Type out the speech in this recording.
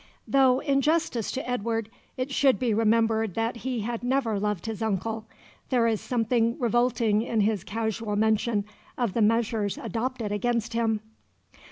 Though, in justice to Edward, it should be remembered that he had never loved his uncle, there is something revolting in his casual mention of the measures adopted against him.